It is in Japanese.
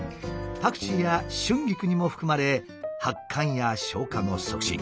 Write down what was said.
パクチーや春菊にも含まれ発汗や消化の促進